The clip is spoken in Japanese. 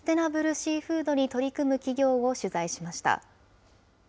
シーフードに取り組む企業を取材しました。